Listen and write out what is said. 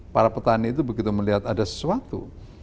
para petani itu begitu melihat ada sesuatu